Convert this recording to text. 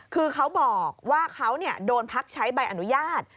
คือเขาบอกว่าเขาโดนพักใช้ใบอนุญาต